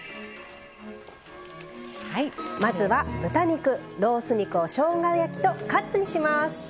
まずは豚肉ロース肉をしょうが焼きとカツにします。